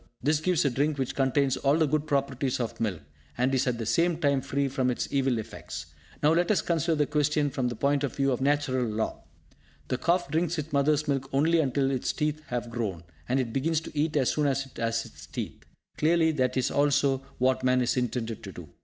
This gives a drink which contains all the good properties of milk, and is at the same time free from its evil effects. Now let us consider this question from the point of view of Natural law. The calf drinks its mother's milk only until its teeth have grown; and it begins to eat as soon as it has its teeth. Clearly, this is also what man is intended to do.